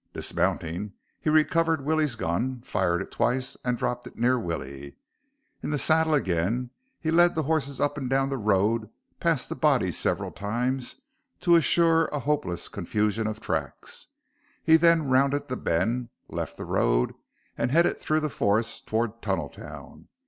Dismounting he recovered Willie's gun, fired it twice, and dropped it near Willie. In the saddle again, he led the horses up and down the road past the bodies several times to assure a hopeless confusion of tracks. He then rounded the bend, left the road and headed through the forest toward Tunneltown.